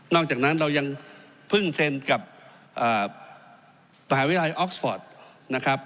อกจากนั้นเรายังเพิ่งเซ็นกับมหาวิทยาลัยออกสฟอร์ตนะครับ